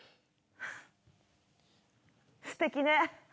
すてきね。